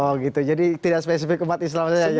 oh gitu jadi tidak spesifik umat islam saja